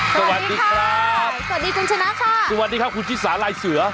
สวัสดีครับสวัสดีคุณชนะค่ะสวัสดีครับคุณชิสาลายเสือ